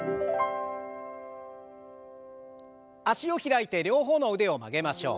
脚を開いて両方の腕を曲げましょう。